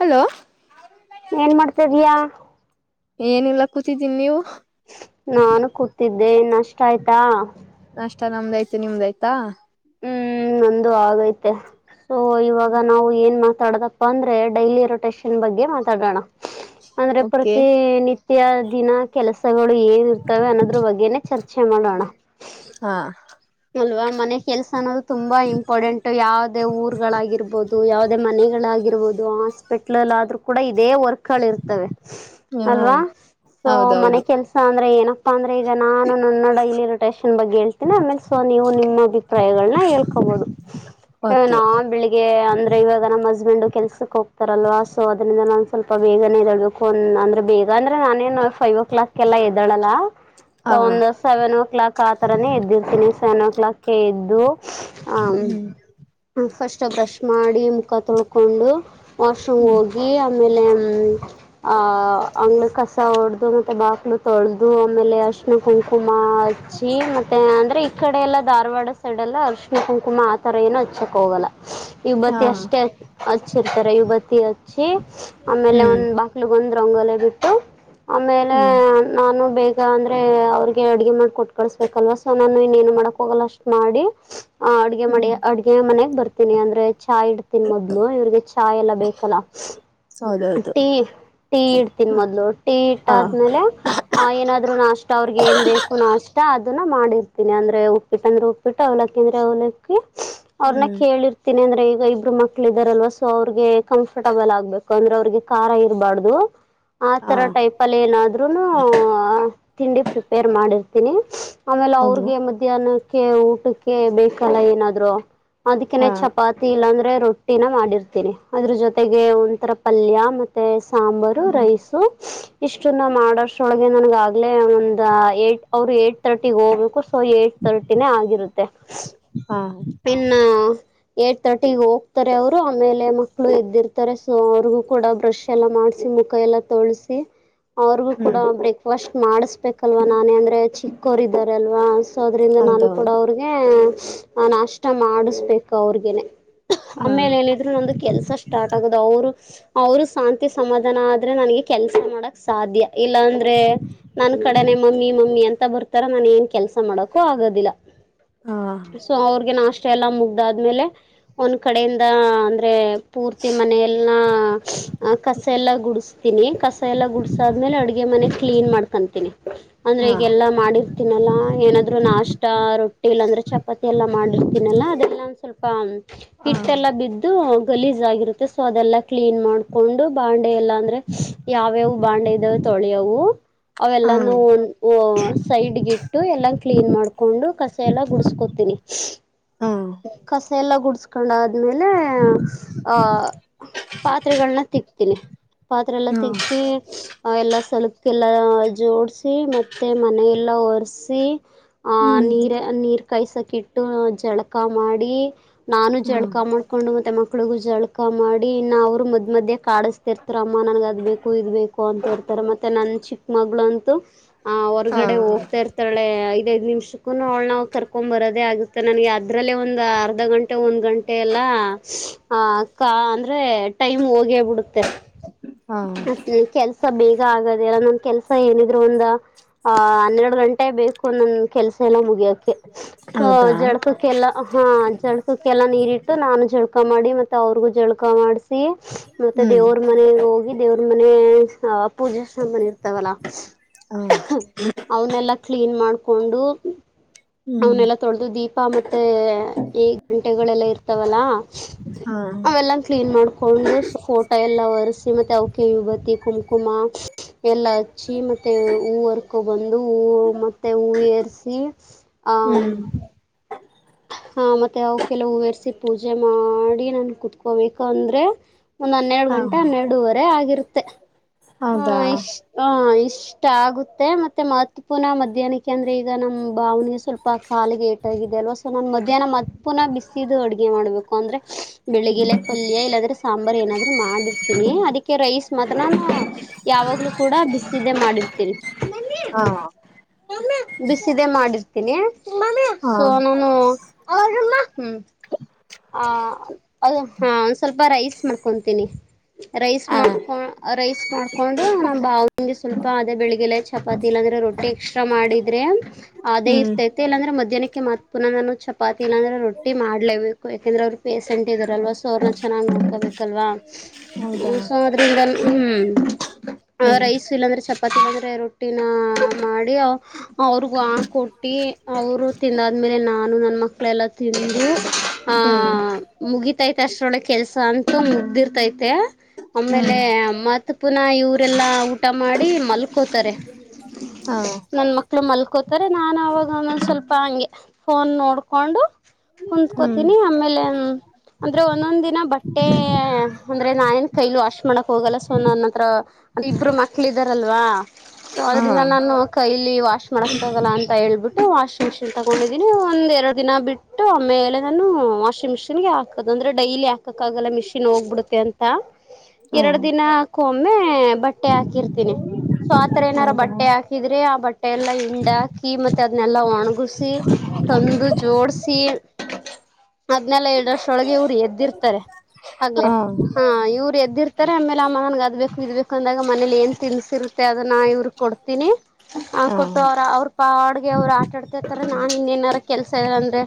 Hello ಏನ್ ಮಾಡ್ತ ಇದ್ಯಾ ಏನಿಲ್ಲ ಕೂತಿದ್ದೀನಿ ನೀವು ನಾನು ಕೂತಿದ್ದೆಆಯ್ತಾ ನಷ್ಟ ನಮ್ದಯ್ತು ನಿಮ್ದಾಯ್ತಾ ಹ್ಮ್ ನಂದು ಆಗೈತೆ ಸೊ ಇವಾಗ ನಾವು ಏನ್ ಮಾ ಮಾತಾಡದಪ್ಪ ಅಂದ್ರೆ ಡೈಲಿ ರೊಟೇಷನ್ ಬಗ್ಗೆ ಮಾತಾಡೋಣ ಅಂದ್ರೆ ಓಕೆ ಪ್ರತಿನತ್ಯ ವತ್ಯ ದಿನ ಕೆಲಸಗಳು ಏನಿರ್ತವೆ ಅನ್ನೋದ್ರ ಬಗ್ಗೆನೆೇ ಚರ್ಚೆ ಮಾಡೋಣ ಹಾ ಅಲ್ವಾ ಮನೆ ಕೆಲ್ಸ ಅನ್ನೋದು ತುಂಬಾ ಇಂಪಾರ್ಟೆಂಟ್ ಯಾವದೇ ಊರ್ಗಳಾಗಿರ್ಬೋದು ಯಾವವುದೇ ಮನೆ ಆಗಿರಬಹುದು ಹಾಸ್ಪಿಟ್ಲ್ಆದ್ರೂ ಕೂಡ ಇದೇ ವರ್ಕ್ ಮಕ್ಕಳ ಇರ್ತವೆ ನೀವು ಅಲ್ವಾ ಸೊ ಮನೆ ಹೌದೌದು ಕೆಲ್ಸ ಅಂದ್ರೆ ಏನ ಅಂದ್ರೆ ಈಗ ನಾನು ನನ್ನ ನೋಡ ಇಲ್ಲಿ ರೊಟೇನ್ ಬಗ್ಗೆ ಹೇಳ್ತೀ ಆಮೇಲೆ ಸೊ ನೀವು ನಿಮ್ಮ ಅಭಿಪ್ರಾಯಗಳನ್ನ ಹೇಳ್ಕೊಬಹುದು ಓಕೆ ನಾ ಬೆಳಿಗ್ಗೆ ಅಂದ್ರೆ ಇವಾಗ ನಮ್ಮ್ ಹಸ್ಬೆಂಡ್ ಕೆಲ್ಸಕ್ ಹೋಗ್ತಾರಲ್ವಾ ಸೊ ಅದ್ರಿಂದ ನಾನ್ ಸ್ವಲ್ಪ ಬೇಗ ಬೇಗ ಎದ್ದಳ್ಬೇಕು ಅ ಅಂದ್ರೆ ಬೇಗ ಅಂದ್ರೆ ನಾನೇನ್ ಫೈವ್ ಓ ಕ್ಲಾಕ್ ಎಲ್ಲ ಎದ್ದೇಳಲ್ಲ ಹಾ ಒಂದು ಸೆವೆನ್ ಓ ಕ್ಲಾಕ್ ಆತರಾನೇ ಎದ್ದಿರ್ತೀನಿ ಕ್ಲಾಕ್ ಇದ್ದು ಹ ಹ್ಮ್ ಫಸ್ಟ್ ಬ್ರಷ್ ಮಾಡಿ ಮುಖ ತೊಳ್ಕೊಂಡು ವಾಶ್ರೂಮ್ ಹ್ಮ್ ಹೋಗಿ ಆಮೇಲೆ ಆ ಅಂಗ್ಳ ಕಸ ಹೊಡ್ದ ಮತ್ತೆ ಬಾಕ್ಲು ತೊಳ್ದ ಇದು ಆಮೇಲೆ ಅಶ್ಣ ಕುಂಕುಮ ಅಚ್ಚಿ ಮತ್ತೆ ಅಂದ್ರೆ ಈ ಕಡೆ ಎಲ್ಲ ಧಾರವಾಡ ಈ ಕಡೆ ಎಲ್ಲ ಸೈಡೆಲ್ಲ ಅರ್ಶಿ ಕುಂಕುಮ ಆ ರ ಏನನು ಹಚ್ಚಕ್ಕ ಹೋಗಲ್ಲ ಹಾ ಯುಬತಿ ಅಷ್ಟೇ ಹಚ್ಚಿರ್ತಾರೆ ಯುಬತಿ ಹಚ್ಚಿ ಆಮೇಲೆ ಹ್ಮ್ ಒಂದ್ ಬಕ್ಲಗ ಒಂದು ರಂಗೋಲೆ ಬಿಟ್ಟು ಆಮೇಲೆ ಹ್ಮ್ ನಾನು ಬ ಈಗ ಅಂದ್ರೆ ಅವ್ರಿಗೆ ಅಡ್ಗೆ ಮಾಡಿ ಕೊಟ್ಟು ಕಳಸ್ಬೇಕಲ್ವಾ ಸೊ ನಾನು ಇನ್ನೇಏನ್ ಮಾಡಕ್ ಹೋಗಲ್ಲ ಅಷ್ಟ್ ಮಾಡಿ ಆ ಅಡ್ಗೆ ಮಾಡಿ ಹ್ಮ್ ಅಡ್ಗೆ ಮನೆಾಗ ಬರ್ತನಿ ಅಂದ್ರೆ ಚಾಯ್ ಇಡ್ತೀನಿ ಮೊದ್ಲು ಇವ್ರಿಗೆ ಚಾಯ್ ಎಲ್ಲ ಬೇಕಲ್ಲ ಹ ಹೌದೌದು ಟೀ ಇಡ್ತೀನ್ಿ ಮೊದ್ಲು ಟೀ ಹಾ ಇಟ್ಟಾದ್ಮೇಲೆ ಆ ಏನಾದ್ರು ನಾಷ್ಟ ಅವ್ರಿಗೆ ಏನ್ ಬೇಕು ನಾಷ್ಟ ಅ ಇದನ್ನ ಮಾಡಿತೀನಿ ಅಂದ್ರೆ ಉಪ್ಪಿಟ್ಟ ಅಂದ್ರೆ ಉಪ್ಪಿಟ್ಟ ಅವಲಕ್ಕಿ ಅಂದ್ರೆ ಅವ್ಲಕ್ಕಿ ಅವ್ರನ್ನ ಹ್ಮ್ ಕೇಳಿರ್ತೀನಿ ಅಂದ್ರೆ ಈಗ ಇಬ್ರು ಮಕ್ಳ ಇದ್ದಾರಲ್ವಾ ಸೊ ಅವ್ರಗೆ ಕಂಫರ್ಟಬಲ್ ಆಗ್ಬೇಕು ಅಂದ್ರೆ ಅವ್ರಿಗೆ ಖಾರ ಇರಬಾರ್ದು ಹಾ ಆತರ ಟೈಪ್ ಅಲ್ಲಿ ಏನಾದ್ರುನು ತಿಂಡಿ ಪ್ರಿಪೇರ್ ಮಾಡಿರ್ತೀನಿ ಆಮೇಲೆ ಅವರು ಹೌದು ಮಧ್ಯಾಕ್ಕೆ ಊಟಕ್ಕೆ ಬೇಕಲ್ಲ ಏನಾದ್ರು ಅದಕನೆ ಹಾ ಚಪಾತಿ ಇಲ್ಲಾ ಅಂದ್ರೆ ರೊಟ್ಟಿನ ಮಾಡಿರ್ತೀನಿ ಅದ್ರ ಜೊತೆಗೆ ಒಂಥರ ಪಲ್ಯ ಮತ್ತೆ ಸಾಂಬಾರು ಹ್ಮ್ ರೈಸು ಇಷ್ಟು ನ ಮಾಡ ಆಸ್ಟ್ರೋಲಗೆ ನನಗ ಆಗ್ಲೇ ಒಂದು ಏಟ್ ಅವ್ರು ಏಟ್ ತರ್ಟಿಗೆ ಹೋಗ್ಬೇಕು ಸೊ ಏಟ್ ತರಟಿನೇ ಆಗಿರುತ್ತೆ ಹಾ ಇನ್ನ ಏಟ್ ತರ್ಟಿ ಹೋಗ್ತಾರೆ ಅವ್ರು ಆಮೇಲೆ ಮಕ್ಳು ಇದದ್ದಿರ್ತಾರೆ ಸೊ ಅವ್ರಿಗೂ ಕೂಡ ಬ್ರಷ್ ಎಲ್ಲ ಮಾಡ ತಸಿ ಮುಖ ಎಲ್ಲ ತೊಳಸಿ ಅವ್ರಿಗೂ ಕೂಡ ಹ್ಮ್ ಬ್ರೇಕ್ಫಾಸ್ಟ್ ಮಾಡಿಸ್ಬೇಕಲ್ವಾ ನಾನೇ ಅಂದ್ರೆ ಚಿಕ್ಕೋರು ಇದಾರಲ್ವಾ ಸೊ ಅದ್ರಿಂದ ನಾನು ಕೂಡ ಹೌದೌದು ಅವ್ರಿಗೆ ನಾಷ್ಟ ಮಾಡಿಸ್ಬೇಕು ಅವ್ರಗನೆ ಹಾ ಆಮೇಲೆ ಏನಿದ್ರು ನಂದು ಕೆಲ್ಸ ಸ್ಟಾರ್ಟ್ ಆಗದು ಅವರು ಅವರು ಶಾಂತಿ ಸಮಾಧಾನ ಆದ್ರೆ ನನ್ಗೆ ಕೆಲ್ಸ ಮಾಡಕ್ ಸಾಧ್ಯ ಇಲ್ಲಾ ಅಂದ್ರೆ ನನ್ ಕಡೆ ಮಮ್ಮಿ ಮಮ್ಮಿ ಅಂತ ಬರ್ತಾರ ನಾನನ್ ಏನ್ ಕೆಲಸ ಮಾಡಕೂ ಆಗೋದಿಲ್ಲ ಹಾ ಸೊ ಅವ್ರಿಗೆ ನಾಷ್ಟ ಕೆಲ್ಸ ಎಲ್ಲ ಮುಗ್ದಾದ್ಮೇಲೆ ಒಂದ್ ಕಡೆಯಿಂದ ಅಂದ್ರೆ ಪೂರ್ತಿ ಮನೆಯಲ್ಲ ಕಸ ಎಲ್ಲ ಗುಡಿಸ್ತೀನಿ ಕಸ ಎಲ್ಲ ಗುಡಸಾದ್ಮೇಲೆ ಅಡುಗೆ ಮನೆ ಕ್ಲೀನ್ ಮಾಡ್ಕೊಂತೀನಿ ಅಂದ್ರೆ ಹಾ ಈಗೆಲ್ಲಾ ಮಾಡಿರ್ತೀನಲ್ಲಾ ಏನಾದ್ರು ನಾಷ್ಟಾ ರೊಟ್ಟಿ ಇಲ್ಲಾಂದ್ರೆ ಚಪಾತಿ ಎಲ್ಲ ಮಾಡಿರ್ತೀನಲ್ಲ ಅದೆಲ್ಲ ಒಂದ ಸ್ವಲ್ಪ ಹಾ ಹಿಟ್ಟೆಲ್ಲಾ ಬಿದ್ದು ಗಲೀಜ್ ಆಗಿರುತ್ತೆ ಸೊ ಅದೆಲ್ಲಾ ಕ್ಲೀನ್ ಮಾಡ್ಕೊಂಡು ಬಂಡ ಎಲ್ಲ ಅಂದ್ರೆ ಯಾವ್ಯಾವವು ಬಾಂಡೆ ಇದಾವ ತೊಳೆಯವು ಹಾ ಅವೆಲ್ಲಾನ ಒ ಸೈಡ್ ಗಿ ಎಲ್ಲ ಕ್ಲೀನ್ ಮಾಡ್ಕೊಂಡು ಕಸ ಎಲ್ಲ ಗುಡಸ್ಕೋತೀನಿ ಹಾ ಹಾ ಕಸ ಎಲ್ಲ ಗುಡ್ಸ್ಕೊಂಡ ಆ್ಮೇಲೆ ಆಹ ಪಾತ್ರೆಗಳನ್ನ ತಿಕ್ತೀನಿ ಪಾತ್ರೆ ಎಲ್ಲ ತಿಕ್ಕಿ ಎಲ್ಲಾ ಸಲುಪ ಎಲ್ಲಾ ಜೋಡಸಿ ಮತ್ತೆ ಮನ ಎಲ್ಲ ಒರೆಸಿ ಆಹ ಹ್ಮ್ ನೀರ ನೀರ್ ಕಾಯಸಕಿ ಇಟ್ಟು ಜಳಕ ಮಾಡಿ ನಾನು ಹಾ ಜಳ್ಕ ಮಾಡ್ಕೊಂಡು ಮತ್ತೆ ಮಕ್ಳಿಗೂ ಜಳಕ ಮಾಡಿ ಇನ್ನು ಅವರು ಮದ್ ಮಧ್ಯೆ ಕಾಡಿಸತಿರ್ತಾರ ಅಮ್ಮ ನನ್ಗ ಅದ್ ಬೇಕು ಇದ್ ಬೇಕು ಅಂತ ಇರ್ತಾರ ಮತ್ತೆ ನನ್ ಚಿಕ್ಕ ಮಗಲಂತು ಅಂತೂ ಹ ಹಾ ಹೊರ್ಗಡೆ ಹೋಗ್ತಾ ಇರ್ತ ಐದಐದು ನಿಮಿಷಕ್ಕೂ ಒ ಕರ್ಕೊಂಡ್ ಬರೋದೇ ಆಗುತ್ತೆ ನನಗೆ ಅದ್ರಲ್ಲೇ ಒಂದ್ ಅರ್ಧ ಗಂಟೆ ಒಂದ್ ಗಂಟೆ ಗಂೆ ಎಲ್ಲ ಅಂದ್ರೆ ಟೈಮ್ ಹೋಗ ಡುತ್ತೆ ಹಾ ಮತ್ತ ಕೆಲ್ಸ ಬೇಗ ಆಗದಲ್ಲ ನಮ ಕೆಲ್ಸ ಏನ ್ರ ಒಂದ ಆ ಹನ್ನೆರಡು ಗಂಟೆ ಬೇಕು ನಂದ ಕೆಲ್ಸ ಎಲ್ಲ ಮುಗಿಯಕ ಸೊ ಹೌದಾ ಜಡ್ಕಕ್ಕೆಲ್ಲ ಹಾ ಜಡ್ಕಕ್ಕೆಲ್ಲಾ ನೀರಿಟ್ಟು ನಾನು ಜಳ್ಕ ಮಾಡ ಮತ್ತೆ ಅವ್ರಗೂ ಜಳಕ ಮಾಡ್ಸಿ ಮತ್ತೆ ಹ್ಮ್ ದೇವ್ರ ಮನೆ ಹೋಗಿ ಮ ಪೂಜೆ ಸಾಮಾನ ಇರ್ತಾವಲ್ಲ ಹಾ ಅವನ್ನಲ್ಲಾ ಕ್ಲೀನ್ ಮಾಡ್ಕೊಂಡು ಹ್ಮ್ ಅವನೆಲ್ಲಾ ತೊಳೆದು ದೀಪ ಮತ್ತೆ ಈ ಗಂಟೆಗಳೆಲ್ಲ ಇರ್ತಾವಲ್ಲ ಹಾ ಅವೆಲ್ಲ ಕ್ಲೀನ್ ಮಾಡ್ಕೊಂಡು ಓಟ ಎಲ್ಲ ಒಸಿ ಮತ್ತೆ ಅವಕ ಯುವತಿ ಕುಂಕುಮ ಎಲ್ಲ ಹಚ್ಚಿ ಮತ್ತೆ ಹೂವರ್ಕೊ ಬಂದು ಹೂ ಮತ್ತೆ ಹೂ ಏಸಿ ಹ ಹ್ಮ್ ಮತ್ತುತ್ತ ಅವು ಕೆಲವುೂವರೆಸಿ ಪೂಜೆ ಮಾಡಿ ನಾನು ಕುೂತ್ಕೋಬೇಕು ಅಂದರೆ ಒಂದ್ ಹನ್ನೆರಡು ಹ ಗಂಟೆ ಹನ್ನೆರಡುವರೆ ಆಗಿರುತ್ತೆ ಹ ಹೌದಾ ಇಷ್ಟ ಹ ಇ ಇಷ್ಟ ಆಗುತ್ತೆ ಮತ್ತೆ ಮಹತ್ವಪೂರ್ಣ ಮಧ್ಯಾಹ್ನಕ್ಕೆ ಅಂದ್ರೆ ಈಗ ನಮ್ಮ್ ಭಾವನೆಿಗೆ ಸ್ವಲ್ಪ ಕಾಲಿಗೆ ಏಟಾಗಿದೆ ಅಲ್ವಾ ಸೊ ನಾನ ಮಧ್ಯಾಹ್ನ ಮ ಪುನಃ ಬಿಸಿದು ಅಡುಗೆ ಮಾಡ್ಬೇಕು ಅಂದ್ರೆ ಬೆಳಿಗ್ಗೆಲೆ ಪಲ್ಯ ಇಲ್ಲಾದ್ರೆ ಸಾಂಬಾರಾರ್ ಏನಾದ್ರು ಮಾಡಿರ್ತೀನಿ ಅದಕ್ಕೆ ರೈಸ್ ಮಾತ್ರ ಯಾವಾಗ್ಲೂ ಕೂಡ ಬಿಸದೆೇ ಮಾಡಿರ್ತೀರಿ ಹಾ ಹನಾ ಬಿಸಿದೆೇ ಮಾಡಿರ್ತೀನಿು ಹಾ ಸೊ ನಾನು ಹ್ಮ ಹ ಅದು ಹ ಒಂದ್ ಸ್ವಲ್ಪ ರೈಸ್ ಮಾಡ್ಕೊಂತೀನಿ ರೈಸ್ ಹ ಮಾಡ್ಕೊಂಡ ರೈಸ್ ಮಾಡ್ಕೊಂಡು ನಮ್ಮ ಬ ನಿಗೆ ಸ್ವಲ್ಪ ಅದೆ ಬೆಳಗ್ಗೆಲೆ ಚಪಾತಿ ಇಲ್ಲಾಂದ್ರೆ ರೊಟ್ಟಿ ಕ್ಷ ಮಾಡಿದ್ರೆ ಅದೇ ಹ್ಮ್ ಇರ್ತೈತೆ ಇಲ್ಲಾಂದ್ರೆ ಮಧ್ಯಾಹ್ನಕ್ಕೆ ಮತ್ ಪುನಃ ನಾನು ಚ ಇಏನಂದ್ರೆ ರೊಟ್ಟಿ ಮಾಡ್ಲವು ಯಾಕೆಂದ್ರೆ ಅವರು ಪೇಸೆಂಟ್ ಇದಾರಲ್ವಾ ಸೊ ಅವ್ರನ್ನ ಚೆನ್ನಾಗ್ ನೋಡ್ಕೋಬೇಕಲ್ವಾ ಹೌದಾ ಸೊ ಅದ್ರಿಂದ ಹ್ಮ್ ಹ್ಮ್ ರೈಸ್ ಇಲ್ಲಾಂದ್ರೆ ಚಪಾತಿ ಇಲ್ಲಾಂದ್ರೆ ರೊಟ್ಟಿ ಮಾಡಿ ಅವ್ರಗ ಹ ಕೊಟ್ಟಿ ಅವರು ತಿಂದಾದ್ಮೇಲೆ ನಾನು ಮಕ್ಳೆಲ್ಲ ತಿಂದು ಆ ಹ್ಮ್ ಮುಗಿತೈತೆ ಅಷ್ಟಳ ಕೆಲ್ಸ ಅಂತ ಮುದ್ದಿರ್ತೈ ಮತ್ತೆ ಆಮೇಲೆ ಹ್ಮ್ ಮತ್ ಪುನಃ ಇವರೆಲ್ಲಾ ಊಟ ಮಾಡಿ ಮಲ್ಕೋತಾರೆ ಹಾ ನನ್ ಮಕ್ಳು ಮಲ್ಕೋತಾರೆ ನಾನ ಅವಾಗಂದ ಸ್ವಲ್ಪ ಹಂಗೆ ಫೋನ್ ನೋಡ್ಕೊಂಡು ಹ್ಮ್ ಕುತ್ಕೋತನಿ ಆಮೇಲೆ ಅಂದ್ರೆ ಒಂದೊಂದ್ ದಿನ ಬಟ್ಟೆ ಅಂದ್ರೆ ನಾನೇನ್ ಕೈಲಿ ವಾಶ್ ಮಾಡಕ್ ಹೋಗಲ್ಲ ಸೊ ನನ್ ಹತ್ರ ಅದು ಇಬ್ಬರು ಮಕ್ಕಳ ಇದಾರೆ ಲ್ವಾ ಸೊ ಹಾ ಅದ್ರಂದ ನಾನು ಕೈಲ್ಲಿ ವಾಶ್ ಮಾಡಕ್ಕ್ಕಗಲ್ಲ ಅಂತ ಹೇಳ್ಬಿಟ್ಟು ವಾಶ್ ತಗೊಂಡಿದೀನಿ ಒಂದ್ ಎರಡು ದಿನ ಬಿಟ್ಟು ಆಮೇಲೆ ನಾನು ವಾಷಿಂಗ್ ಮಿಷನ್ಗೆ ಹಾಕದ ಅಂದ್ರೆ ೈಲಿ ಹಾಕ ಕ್ಕಾಗಲ್ಲ ಮಿಷಿನ್ ಹೋಗ್ಬಿಡುತ್ತೆ ಅಂತ ಎರಡ್ ಹ್ಮ ದಿನಕ್ಕ ಒಮ್ಮೆ ಬಟ್ಟೆ ಹಾಕಿರ್ತಿನಿ ಸೊ ಆತರ ಏನಾರ ಹೌದಾ ಬಟ್ಟೆ ಹಾಕಿದ್ರೆ ಆ ಬಟ್ಟೆ ಎಲ್ಲಾ ಹಿಂಡಾಕಿ ಮತ್ತೆ ಅದನೆಲ್ಲಾ ಒಣಗುಸಿ ತಂದು ಜೋಡ್ಸಿ ಹದ್ನಲ್ಲ ಎಏಡ್ ವರ್ಷೊಳಗೆ ಇವ್ರು ಎದ್ದಿರ್ತಾರೆ ಹಾ ಆಗ್ಲೆೇ ಹಾ ಹಾ ಇವ್ ಎದ್ದಿರ್ತಾರೆ ಆಮೇಲೆ ಆಮ್ಮ ನನ್ಗೆ ಅದ್ಬೇಕು ಇದ್ಬೇಕು ಅಂದಾಗ ಮನೇಲಿ ಏನ್ ತಿನ್ಸಿರುತ್ತ ಮ ಅದನ್ನ ಇವ್ರ ಕೊಡ್ತೀನಿ ಕೊಟ್ಟು ಅವ್ರ ಅವ್ರ ಪಾಡ್ಗೆ ಅವ್ರು ಆಟಾಡ್ತತರ ನಾ ಇನ್ನ ಏನಾರ ಕೆಲ್ಸ ಇ ಅಂದ್ರೆ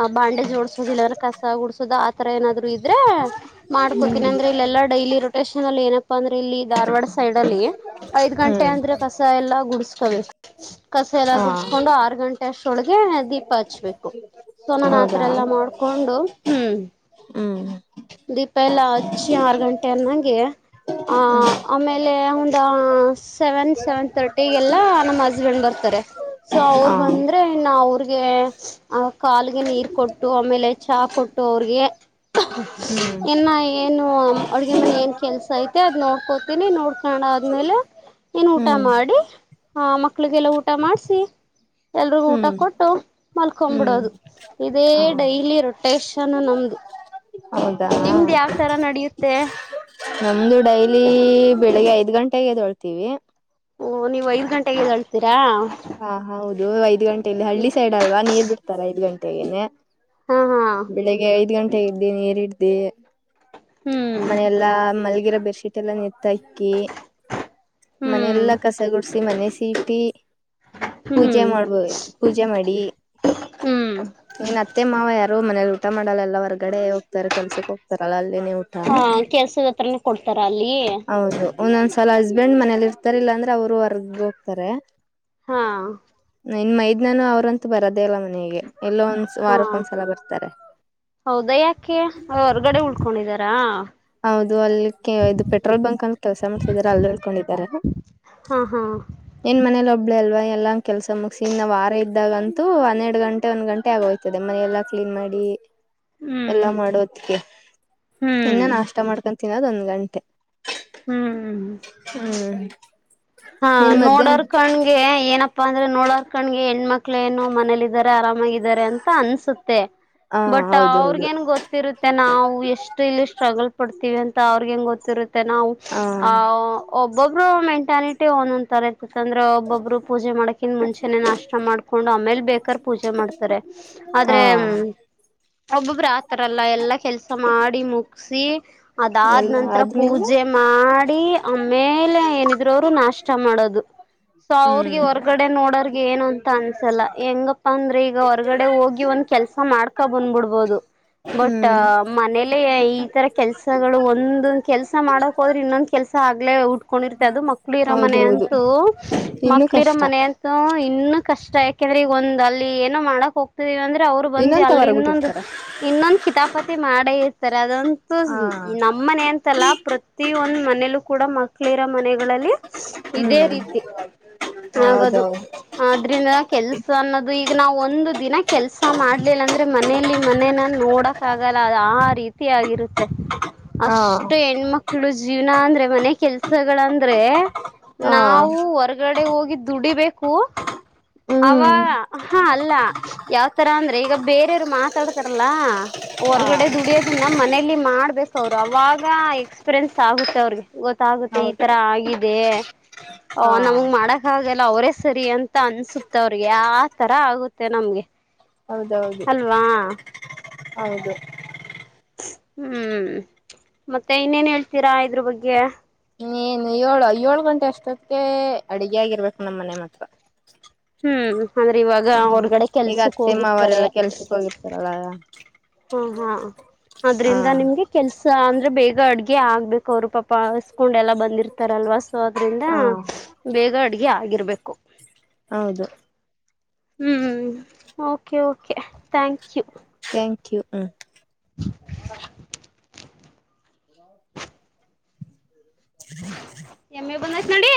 ಆ ಬಾಂಡೇಜ್ ಓಡಸೋದ ಇಲ್ಲಾಂದ್ರ ಕಸ ಓಡಸೋದು ಆತರ ಏನಾದ್ರು ಇದ್ರೆ ಮಾಡ್ಕೋತೀನಿ ಹ್ಮ್ ಅಂದ್ರೆ ಇಲ್ಲೆಲ್ಲಾ ಡೈಲಿ ರೊಟೇೇಶನ್ ಅಲ್ಲಿ ಏನಪ್ಪಾ ಅಂದ್ರೆ ಇಲ್ಲಿ ಧಾರ್ವಾಡ ಸೈಡ್ ಅಲ್ಲಿ ಐದ್ ಗಂಟೆ ಹ್ಮ್ ಅಂದ್ರೆ ಕಸ ಎಲ್ಲಾ ಗುಡ್ಸ್ಕೋಬೇಕು ಕಸ ಎಲ್ಲಾ ಹಾ ಗುಡ್ಸ್ಕೊಂಡು ಆರ್ ಗಂಟೆ ಷ್ಟ್ರೊಳಗೆ ದೀಪ ಹಚ್ಬೇಕು ಸೊ ನಾನ ಆತರ ಹೌದಾ ಎಲ್ಲಾ ಮಾಡ್ಕೊಂಡು ಹ್ಮ್ ಹ್ಮ್ ದೀಪ ಎಲ್ಲಾ ಹಚ್ಚಿ ಆರು ಗಂಟೆ ಅನ್ನಂಗೆ ಆ ಹ್ಮ್ ಆಮೇಲೆ ಒಂದ ಸೆವೆನ್ ಸೆವೆನ್ ತರ್ಟಿಗೆಲ್ಲ ನಮ್ಮ್ ಹಸ್ಬೆಂಡ್ ಬರ್ತದೆ ಸೊ ಹಾ ಅವ್ರು ಬಂದ್ರೆ ನ ಅವ್ರಿಗೆ ಆ ಕಾಲಗೆ ನೀರ್ ಕೊಟ್ಟು ಆಮೇಲೆ ಚಹ ಕೊಟ್ಟು ಅವ್ರಿಗೆ ಹ್ಮ್ ಇನ್ನ ಏನು ಅಡ್ಗೆ ಮನೆ ಏನ್ ಕೆಲ್ಸ ಐತೆ ಅದ್ ನೋಡ್ಕೋತೀನಿ ನೋಡ್ಕೊಂಡ ಆದ್ಮೇಲೆ ಏನ್ ಊಟ ಹ್ಮ್ ಮಾಡಿ ಆ ಮಕ್ಳಿಗೆಲ್ಲ ಊಟ ಮಾಡ್ಸಿ ಎಲ್ರುಗ ಊಟ ಹ್ಮ್ ಕೊಟ್ಟು ಮಲ್ಕೊ್ ಹ್ಮ್ ಬಿಿಡೋದು ಇದೇ ಹ ಡೈಲಿ ರೊಟೇಶನ್ ನಮ್ದು ಹೌದಾ ನಿಮ್ದ್ ಯಾವ್ ತರ ನಡೆಯುತ್ತೆ ನಮ್ದು ಡೈಲಿ ಬೆಳಿಗ್ಗೆ ಐದ್ ಗಂಟೆಗೆ ಎದಳ್ತೀವಿ ಓ ನೀವು ಐದ್ ಗಂಟೆಗೆ ಅಳ್ತೀರಾ ಹಾ ಹೌದು ಐದ್ ಗಂಟೆಯಲ್ಲಿ ಹಳ್ಳಿ ಸೈಡ್ ಅಲ್ವಾ ನೀರ್ ಬಿಡ್ತಾರಾ ಐದ್ ಗಂಟೆಗೆನೆ ಹಾ ಹಾ ಬೆಳಿಗ್ಗೆ ಐದ್ ಗಂಟೆ ಇದ್ದ ನೀರಿ್ದೆ ಹ್ಮ್ ಮನೆಯೆಲ್ಲಾ ಮಲ್ಗಿರೋ ಬೆಡ್ಶೀಟ್ ಎಲ್ಲಾ ನಿತ್ತ ಹಾಕ್ಕಿ ಹ್ಮ್ ಮನೆಯಲ್ಲಾ ಕಸ ಗುಡ್ಸಿ ಮನೆ ಸೀಟಿ ಪೂಜೆ ಹ್ಮ್ ಮಾಡ್ಬೋ ಪೂಜೆ ಮಾಡಿ ಹ್ಮ್ ನೀನ್ ಅತ್ತೆ ಮಾವ ಯ ಅವ ಮನೇಲಿ ಊಟ ಮಾಡಲ್ಲ ಹೊರ್ಗಡೆ ಹೋಗ್ತಾರೆ ಕೆಲ್ಸಕ್ ಹೋಗ್ತಾರಲ್ಲ ಅಲ್ಲಿ ಹಾ ಕೆಲ್ಸದ ಹತ್ರನ ಕೊಡ್ತಾರ ಅಲ್ಲಿ ಹೌದು ಒಂದೊಂದ್ಸಲ ಹಸ್ಬೆಂಡ್ ಮನೇಲಿ ಇರ್ತಾರಿಲ್ಲ ಅಂದ್ರೆ ಅವರು ಹೊರ್ಗ್ ಹೋಗ್ತಾರೆ ಹಾ ನಿನ್ ಮೈದ್ನಾನು ಅವ್ರಂತೂ ಬರೋೇ ಅಲ್ಲ ಮನೆಗೆ ಎಲ್ಲೋ ಒಂದ್ ಹಾ ವಾರಕ್ ಒಂದ್ಸಲ ಬರ್ತಾರೆ ಹೌದಾ ಯಾಕೆ ಅವ ಹೊರ್ಗಡೆ ಉಳ್ಕೊಂಡಿದಾರಾ ಹೌದು ಅಲ್ಲಿ ಇದು ಪೆಟ್ರೋಲ್ ಬಂಕ್ ಅಂತ ಕೆಲ್ಸ ಮಾಡ್ಸಿದಿದ್ದಾರೆ ಅಲ್ಲಿ ಹೇಳ್ಕೊಂಡಿದ್ದಾರೆ ಹ ಹಾ ಒಬ್ಳ ಅಲ್ವಾ ಎಲ್ಲ ಕೆಲಸ ಮುಗಿಸಿ ಇನ್ನ ವಾರ ಇದ್ದಾಗಂತು ಒನ್ನೆರಡು ಗಂಟೆ ಒಂದ್ ಗಂಟೆ ಆಗೋಯ್ತದೆ ಮನ ಎಲ್ಲ ್ನ್ ಮಾಡಿ ಎಲ್ಲ ಹ್ಮ್ ಮಾಡೋ ಇನ್ನ ಹ್ಮ್ ನ ತಿಿನೋದ ಒ್ ಗಂಟೆ ಹ್ಮ್ ಹ್ಮ್ ಹ್ಮ್ ಹಾ ನಿನ್ ಮಧ್ಯಾಹ್ನ ನೋಡರ್ ಕಣ್ಗೆ ಏನಪ್ಪಾ ಅಂದ್ರೆ ನೋಡರ್ ಕಣ್ಗೆ ಹೆಣ್ಮಕ್ಳ ಏನು ಮನೇಲಿ ಿದ್ದಾರೆ ಆರಾಮಾಗಿದ್ದಾರೆ ಅಂತ ಅನ್ಸುತ್ತೆ ಹ ಬಟ್ ಅವ್ರಗ ಹೌದೌದು ನ್ ಗೊತ್ತಿರುತ್ತೆ ನಾವು ಎಷ್ಟು ಇಲ್ಲಿ ಸ್ಟ್ರಗಲ್ ಪಡ್ತ ಅಂತ ಅವ್ರಗ ಹೆಂಗ್ ಗೊತ್ತಿರುತ್ತೆ ನಾವು ಹ ಆಹ್ ಒಬ್ಬೊಬ್ರು ಮೆಂಟಾಲಿಟಿ ಒಂದೊ್ ತರ ಕುತಂದ್ರೆ ಒಬ್ಬೊಬ್ಬರು ಪೂಜೆ ಮಾಡಕಿನ್ ಮುಂಚೆನೆ ನಾಷ್ಟ ಮಾಡ್ಕೊಂಡು ಆಮೇಲ್ ಬೇಕಾರ್ ಪೂಜೆ ಮಾಡ್ತಾರೆ ಹ ಆದ್ರೆ ಒಬ್ಬೊಬ್ಬ್ರ ಆತರಲ್ಲ ಎಲ್ಲಾ ಕೆಲ್ಸ ಮಾಡಿ ಮುಗಸಿ ಅದಾದ ಎಲ್ಲ ನಂತರ ಆದ್ಮೇಲೆ ಪೂಜೆ ಮಾಡಿ ಆಮೇಲೆ ಏನಿದ್ರು ಅವರು ನಾಶ ಕಷ್ಟ ಮಾಡೋದು ಸೊ ಅವ್ರಿಗೆ ಹೊರ್ಗಡೆ ನೋಡರ್ ಏನು ಅಂತ ಅನ್ಸಲ್ಲ ಹೆಂಗಪ್ಪ ಅಂದ್ರೆ ಈಗ ಈಗ ಹೊರ್ಗಡೆ ಹೋಗಿ ಒಂದ್ ಕೆಲ್ಸ ಮಾಡ್ಕೊ ಬಂದ್ಬಿಡ್ಬೋದು ಬಟ್ ಹ್ಮ್ ಮನೇಲೆ ಈತರ ಕೆಲ್ಸಗಳು ಒಂದ ಕೆಲ್ಸ ಮಾಡಕ್ ಹೋದ್ರೆ ಇನ್ನೊಂದ ಕೆಲ್ಸ ಉಟ್ಕೊಂಡಿರ್ತೆ ಅದು ಮಕ್ಕಳು ಮನ ಹೌದೌದು ಅಂತೂ ಇನ್ನು ಮಕ್ಕಳಿರೋ ಕಷ್ಟ ಮನ ಅಂತೂ ಇನ್ನುೂ ಕಷ್ಟ ಇಷ್ಟ ಯಾಕೆಂದ್ರೆ ಈಗ ಒಂದ್ ಅಲ್ಲಿ ಏನೋ ಮಾಡಕ್ ಹೋಗ್ತಿದೀವಿ ಅಂದ್ರೆ ಅವ್ರು ಬಂದ್ ಅಲ್ಲಿ ಇನ್ನೊಂದು್ ಇನ್ನಂತವರಬಿಟ್ಟಿರ್ತಾರ ಇನ್ನೊಂದು ಕಿತಾಪತಿ ಮಾಡೇ ಇರ್ತಾರೆ ಅದಂತೂ ಹ ನಮ್ಮನೆ ಅಂತಲ್ಲ ಪ್ರತಿಿಯೊಂದು ಮನೇಲ್ಲೂ ಕೂಡ ಮಕ್ಕಳಿರ ಮನೆಗಳಲ್ಲಿ ಇದೇ ಹ್ಮ್ ರೀತಿ ಹೌದೌದು ಆದದ್ರಿಂದ ಕೆಲ್ಸ ಅನ್ನೋದು ಈಗ ನಾವ್ ಒಂದು ದಿನ ಕೆಲ್ಸ ಮಾಡ್ಲಿಲ್ಲ ಅಂದ್ರೆ ಮನೇಲಿ ಮನೇನ ನೋಡಕ್ ಆಗಲ್ಲ ಅ ಆ ರೀತಿ ಆಗಿರುತ್ತೆ ಹಾ ಅಷ್ಟು ಹೆಣ್ಮಕ್ಳು ಜೀವನ ಅಂದ್ರೆ ಮನೆ ಕೆಲ್ಸಗಳಂದ್ರೆ ಹಾ ನಾವು ಹೊರ್ಗಡೆ ಹೋಗಿ ದುಡಿಬೇಕು ಅವ ಹ್ಮ್ ಹಾ ಅಲ್ಲ ಯಾವತರ ಅಂದ್ರೆ ಈಗ ಬೇರೆಯವ್ರು ಮಾತಾಡ್ತಾರಲ್ಲ ಹಾ ಹೊರ್ಗಡೆ ದುಡಿಯೋದನ್ನ ಮನೇಲಿ ಮಾಡ್ಬೇಕ ಅವ್ರು ಅವಾಗ ಎಕ್ಸ್ಪೀರಿಯನ್ಸ್ ಆಗುತ್ತೆ ಅವ್ರಿಗೆ ಗೊತ್ತಾಗುತ್ತೆ ಈ ಹೌದು ತರ ಆಗಿದೆ ಹಾ ನಮಗ್ ಮಾಡಕ್ಾಗೆಲ್ಲ ಅವರೇ ಸರಿ ಅಂತ ಅನ್ಸುತ್ತೆ ಅವ್ರಿಗೆ ಆ ತರ ಆಗುತ್ತೆ ನಮ್ಗೆ ಹೌದೌದು ಅಲ್ವಾ ಹೌದು ಹ್ಮ್ ಮತ್ತೆ ಇನ್ನೇನ್ ಹೇಳ್ತೀರಾ ಇದ್ರ ಬಗ್ಗೆ ಏನು ಏಳು ಏಳ್ು ಗಂಟೆ ಅಷ್ಟತ್ತಿಗೆ ಅಡಗೆ ಆಗಿರ್ಬೇಕು ನಮ್ಮ ಮನೆ ಮಾತ್ರ. ಹ್ಮ್ ಅಂದ್ರೆ ಇವಾಗ ಹ್ಮ್ ಹೊರ್ಗಡೆ ಈಗ ಕೆಲ್ಸಕ್ ಅತ್ತೆ ಹೋಗಿರ್ತಾರೆ ಮಾವರೆಲ್ಲಾ ಕೆಲ್ಸಕ್ ಹೋಗಿರ್ತಾರಲ್ಲ ಹಾ ಹಾ ಹಾ ಅದ್ರಿಂದ ನಿಮ್ಗೆ ಕೆ ಸ ಅಂದರೆ ಬೇಗ ಅಡುಗೆ ಆಗ್ಬೇಕು ಅವರು ಪಾಪ ಹಸ್ಕೊಂಡೆಲ್ಲ ಬಂದಿರ್ತಾರಲ್ವಾ ಸೊ ಅದರಿಂದ ಹಾ ಬೇಗ ಅಡ್ಗೆ ಆಗಿರ್ಬೇಕು ಹೌದು ಹ್ಮ್ okay okay thank you thank you ಹ [inaudible] ಎಮ್ಮೆ ಬಂದೈತೆ ನಡಿ